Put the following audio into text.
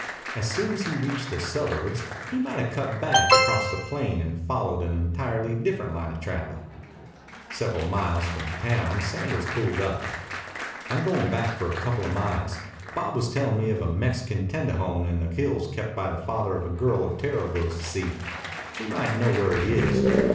As soon as he reached the suburbs, he might have cut back across the plain and followed an entirely different line of travel. Several miles from town Sanders pulled up. "I'm going back for a couple of miles. Bob was telling me of a Mexican tendejon in the hills kept by the father of a girl Otero goes to see. She might know where he is.